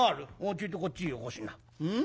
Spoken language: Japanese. ちょいとこっちへよこしな。